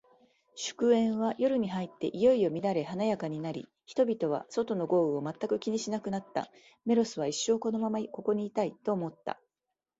祝宴は、夜に入っていよいよ乱れ華やかになり、人々は、外の豪雨を全く気にしなくなった。メロスは、一生このままここにいたい、と思った。